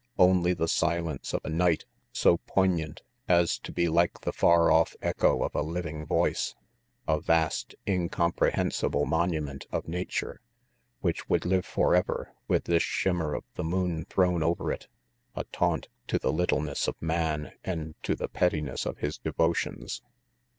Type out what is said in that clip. Only the silence of afnight 246 RANGY PETE so poignant as to be like the far off echo of a living voice, a vast, incomprehensible monument of nature which would live forever with this shimmer of the moon thrown over it, a taunt to the littleness of man and to the pettiness of his devotions!